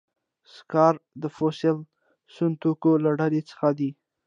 سکاره د فوسیل سون توکو له ډلې څخه دي.